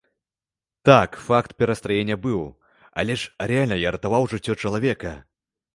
Так, факт перастраення быў, але ж рэальна я ратаваў жыццё чалавека!